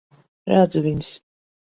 Redzu viņus.